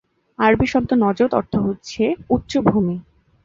আরবী শব্দ নজদ অর্থ হচ্ছে উচ্চ ভূমি।